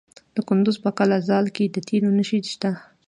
د کندز په قلعه ذال کې د تیلو نښې شته.